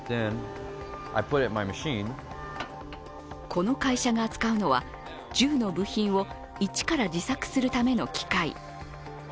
この会社が使うのは銃の部品を一から自作するための機械。